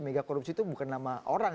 mega korupsi itu bukan nama orang